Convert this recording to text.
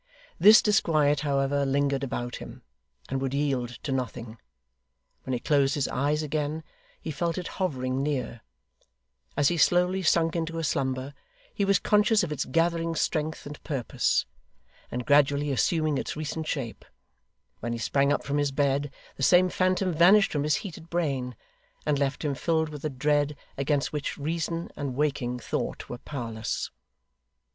This disquiet, however, lingered about him, and would yield to nothing. When he closed his eyes again, he felt it hovering near; as he slowly sunk into a slumber, he was conscious of its gathering strength and purpose, and gradually assuming its recent shape; when he sprang up from his bed, the same phantom vanished from his heated brain, and left him filled with a dread against which reason and waking thought were powerless.